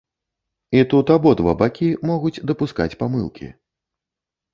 І тут абодва бакі могуць дапускаць памылкі.